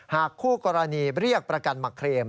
หากคู่กรณีเรียกประกันมาเคลม